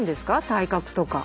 体格とか？